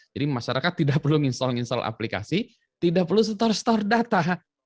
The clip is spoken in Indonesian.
masyarakat tidak perlu install install aplikasi tidak perlu setor store data